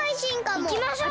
いきましょう！